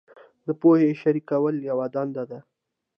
د پوهې شریکول یوه دنده ده.